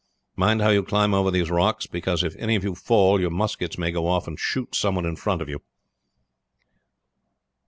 Mind how you climb over these rocks, because if any of you fall your muskets may go off and shoot some one in front of you.